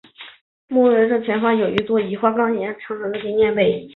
墓地的正前方有一座以花岗岩砌成的纪念碑。